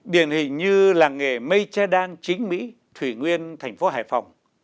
điển hình như làng nghề mây che đan chính mỹ thủy nguyên thành phố hải phòng